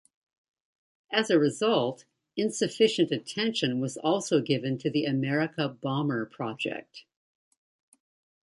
As a result, insufficient attention was also given to the Amerika-Bomber project.